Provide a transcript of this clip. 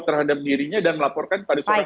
terhadap dirinya dan melaporkan pada surat